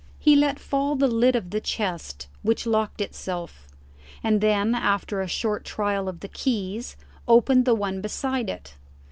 He let fall the lid of the chest, which locked itself, and then, after a short trial of the keys, opened the one beside it.